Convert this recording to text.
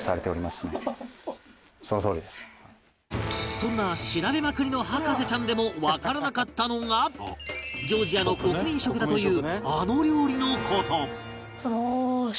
そんな調べまくりの博士ちゃんでもわからなかったのがジョージアの国民食だというあの料理の事